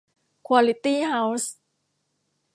ควอลิตี้เฮ้าส์